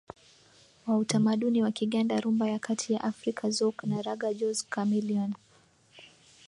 wa utamaduni wa Kiganda rumba ya Kati ya Afrika Zouk na raga Jose Chameleone